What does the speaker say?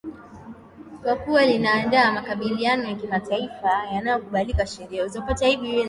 kwa kuwa linaandaa makubaliano ya kimataifa yanayokubalika kisheria